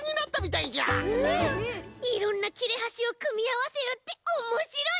いろんなきれはしをくみあわせるっておもしろい！